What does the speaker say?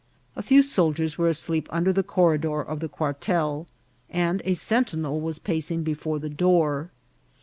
A few soldiers were asleep under the corridor of the quartel, and a sentinel was pacing before the door.